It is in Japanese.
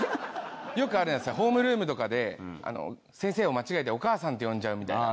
よくあるやつでホームルームとかで先生を間違えてお母さんって呼んじゃうみたいな。